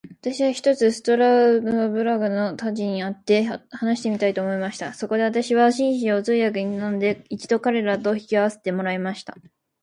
私は、ひとつストラルドブラグたちに会って話してみたいと思いました。そこで私は、紳士を通訳に頼んで、一度彼等と引き合せてもらいました。